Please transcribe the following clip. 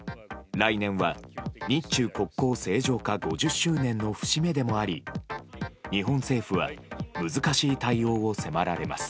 来年は日中国交正常化５０周年の節目でもあり日本政府は難しい対応を迫られます。